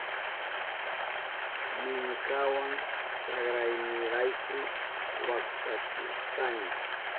Minkawa chakraynirayku waktachishkani.